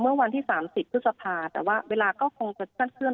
เมื่อวันที่๓๐พฤษภาแต่ว่าเวลาก็คงจะสั้นเคลื